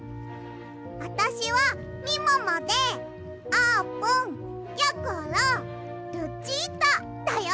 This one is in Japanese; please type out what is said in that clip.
あたしはみももであーぷんやころルチータだよ！